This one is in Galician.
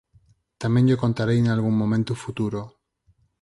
Tamén llo contarei nalgún momento futuro.